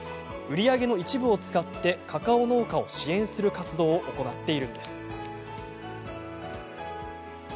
売り上げの一部を使ってカカオ農家を支援する活動を行っているんです。